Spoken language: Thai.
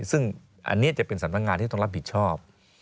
ซึ่งอันนี้จะเป็นสำนักงานที่ต้องรับผิดชอบ